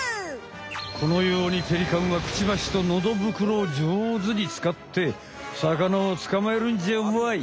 このようにペリカンはクチバシとのど袋をじょうずに使って魚を捕まえるんじゃわい！